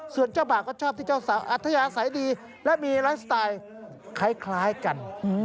ส่วนเจ้าบ่าก็ชอบที่เจ้าสาวอัธยาศัยดีและมีไลฟ์สไตล์คล้ายกัน